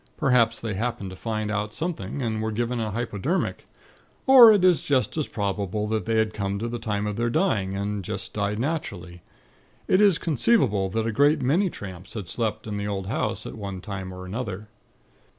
Perhaps they happened to find out something, and were given a hypodermic. Or it is just as probable that they had come to the time of their dying, and just died naturally. It is conceivable that a great many tramps had slept in the old house, at one time or another."